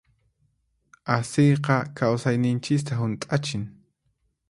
Asiyqa kawsayninchista hunt'achin.